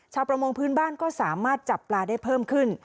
ประมงพื้นบ้านก็สามารถจับปลาได้เพิ่มขึ้น